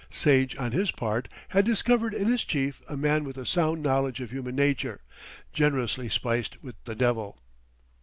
Sage, on his part, had discovered in his chief a man with a sound knowledge of human nature, generously spiced with the devil.